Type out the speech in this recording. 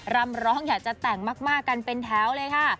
รำร้องอยากจะแต่งมากกันเป็นแถวเลยค่ะ